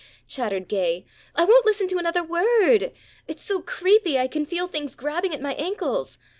chattered Gay. "I won't listen to another word. It's so creepy I can feel things grabbing at my ankles.